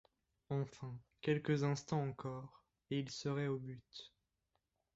Enfin, quelques instants encore, et il serait au but.